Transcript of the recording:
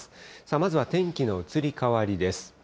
まずは天気の移り変わりです。